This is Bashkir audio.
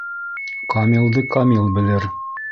Камилды камил белер.